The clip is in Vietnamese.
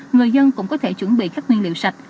người dân cũng có thể chuẩn bị các nguyên liệu sạch